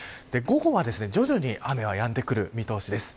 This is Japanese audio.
午後は徐々に雨はやんでくる見通しです。